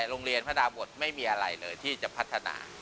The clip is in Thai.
โรงเรียนพระดาบทไม่มีอะไรเลยที่จะพัฒนา